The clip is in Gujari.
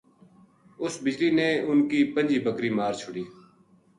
اس بجلی نے اِنھ کی پنجی بکری مار چھُڑی